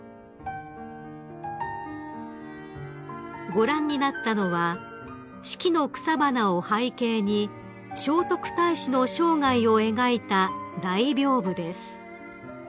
［ご覧になったのは四季の草花を背景に聖徳太子の生涯を描いた大びょうぶです］